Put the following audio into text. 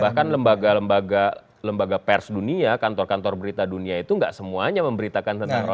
bahkan lembaga lembaga pers dunia kantor kantor berita dunia itu nggak semuanya memberitakan tentang